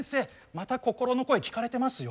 また心の声聞かれてますよ！